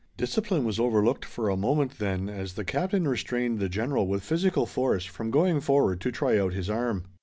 Discipline was overlooked for a moment then as the captain restrained the General with physical force from going forward to try out his arm.